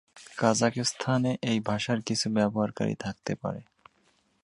কাজাখস্তানে এই ভাষার কিছু ব্যবহারকারী থাকতে পারে।